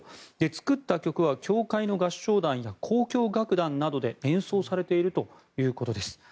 作った曲は教会の合唱団や交響楽団などで演奏されているということです。